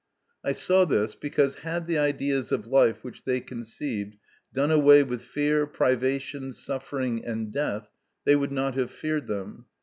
I saw this, because had the ideas of life which they conceived done away with fear, privation, suffering, and death, they would not have feared them.